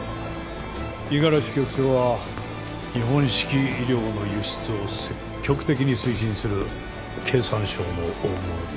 五十嵐局長は日本式医療の輸出を積極的に推進する経産省の大物です。